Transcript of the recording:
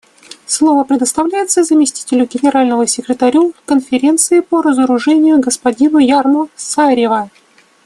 Слово предоставляется заместителю Генерального секретаря Конференции по разоружению господину Ярмо Сарева.